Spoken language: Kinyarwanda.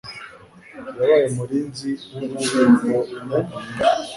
Yabaye umurinzi wububiko imyaka myinshi.